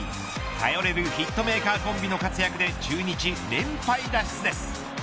頼れるヒットメーカーコンビの活躍で中日連敗脱出です。